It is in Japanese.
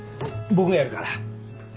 僕がやるから。